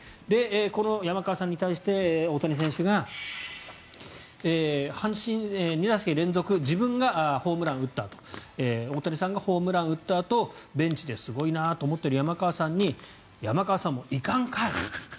この山川さんに対して大谷選手が阪神２打席連続自分がホームランを打ったあと大谷さんがホームランを打ったあとベンチですごいなと思っている山川さんに山川さんも行かんかい！